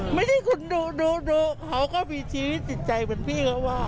ไม่ได้คุณดูดูเขาก็มีชีวิตจิตใจเหมือนพี่เขาว่า